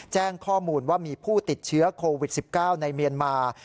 แจ้งข้อมูลว่ามีผู้ติดเชื้อโควิด๑๙ในเมียนมา